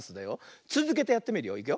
つづけてやってみるよ。いくよ。